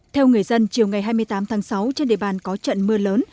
theo người dân chiều ngày hai mươi tám tháng sáu trên địa bàn có trận mưa lớn